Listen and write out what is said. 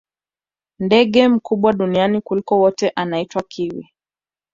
ndege mkubwa duniani kuliko wote anaitwa kiwi